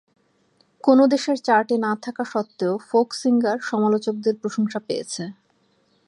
কোন দেশের চার্টে না থাকা সত্ত্বেও, "ফোক সিঙ্গার" সমালোচকদের প্রশংসা পেয়েছে।